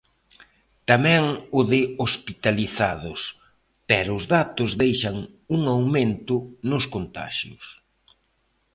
Tamén o de hospitalizados, pero os datos deixan un aumento nos contaxios.